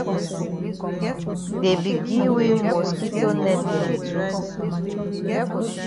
Dey be gi we mosquito net dem too.